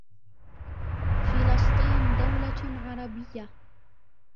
فلسطين دولة عربيّة